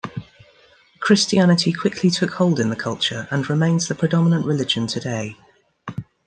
Christianity quickly took hold in the culture and remains the predominant religion today.